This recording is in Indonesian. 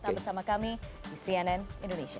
tetap bersama kami di cnn indonesia